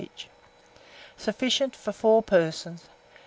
each. Sufficient for 4 persons.